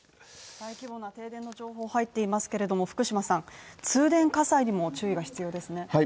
大規模な停電の情報入っていますけれども福島さん、通電火災にも注意が必要ですね